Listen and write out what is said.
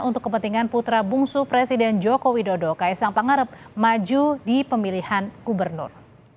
untuk kepentingan putra bungsu presiden joko widodo kaisang pangarep maju di pemilihan gubernur